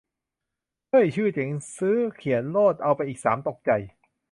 เฮ้ย ชื่อเจ๋ง ! ซื้อ ! เขียนโลด ! เอาไปอีกสามตกใจ !